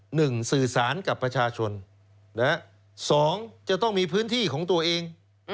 หนึ่งสื่อสารกับประชาชนนะฮะสองจะต้องมีพื้นที่ของตัวเอง